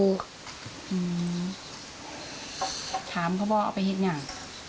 อืมถามเขาบอกเอาไปเห็ดยัง